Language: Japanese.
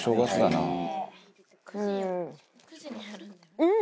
うん！